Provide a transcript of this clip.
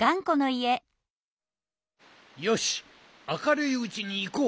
よしあかるいうちにいこう！